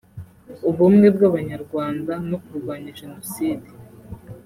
Ubumwe bw’Abanyarwanda no kurwanya Jenoside